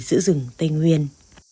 giữ rừng tây nguyên